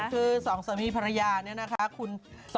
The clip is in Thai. คุณสามีภรรยาอย่างไร